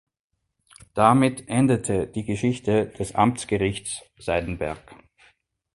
Damit endete die Geschichte des Amtsgerichts Seidenberg.